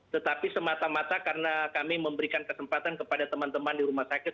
tetapi semata mata karena kami memberikan kesempatan kepada teman teman di rumah sakit